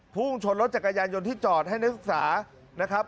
พุ่งชนรถจักรยานยนต์ที่จอดให้นักศึกษานะครับ